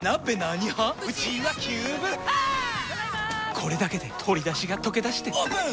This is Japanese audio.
これだけで鶏だしがとけだしてオープン！